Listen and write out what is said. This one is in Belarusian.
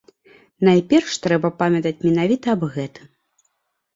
Найперш трэба памятаць менавіта аб гэтым.